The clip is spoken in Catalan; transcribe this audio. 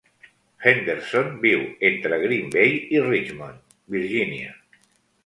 Henderson viu entre Green Bay i Richmond, Virginia.